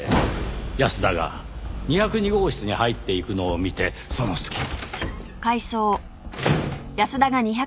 安田が２０２号室に入っていくのを見てその隙に。